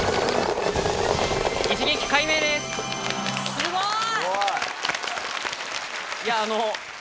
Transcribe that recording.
すごい！